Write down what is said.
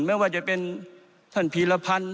ไม่ว่าจะเป็นท่านพีรพันธ์